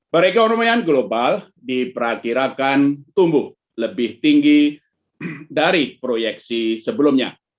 perekonomian global diperkirakan tumbuh lebih tinggi dari proyeksi sebelumnya